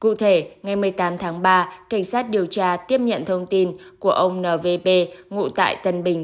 cụ thể ngày một mươi tám tháng ba cảnh sát điều tra tiếp nhận thông tin của ông nvp ngụ tại tân bình